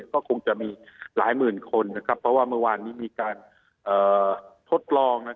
ก็คงจะมีหลายหมื่นคนเพราะว่าเมื่อวานนี้มีการทดลอง